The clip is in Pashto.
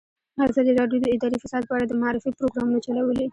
ازادي راډیو د اداري فساد په اړه د معارفې پروګرامونه چلولي.